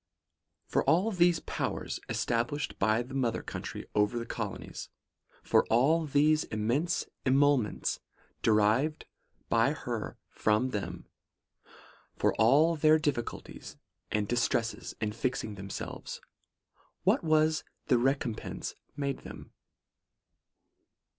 ' For all these powers, established by the mother country over the colonies ; for all these immense emoluments derived by her from them ; for all their difficulties and distresses in fixing themselves, what was the recompense made them